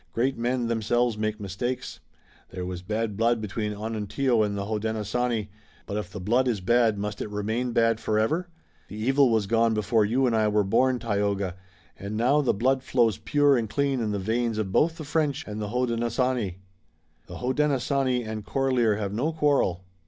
Great men themselves make mistakes. There was bad blood between Onontio and the Hodenosaunee, but if the blood is bad must it remain bad forever? The evil was gone before you and I were born, Tayoga, and now the blood flows pure and clean in the veins of both the French and the Hodenosaunee." "The Hodenosaunee and Corlear have no quarrel."